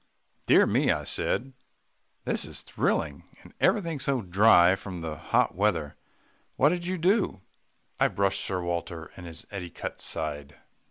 "Dear me!" I said, "this is thrilling and everything so dry from the hot weather what did you do?" "I brushed Sir Walter and his eticut aside."